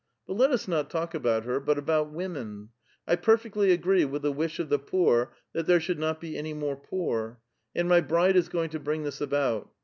But let us not talk about her, but about women. I perfectly agree with the wish of the poor that there should not be any more poor, and my bride is go ing to bring this about.